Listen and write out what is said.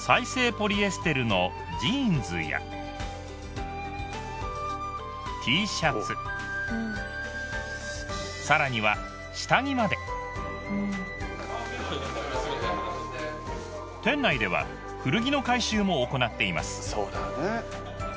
ポリエステルのジーンズやＴシャツさらには下着まで店内では古着の回収も行なっています